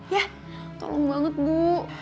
ya tolong banget bu